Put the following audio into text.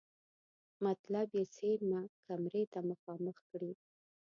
مطلب یې څېره کمرې ته مخامخ کړي.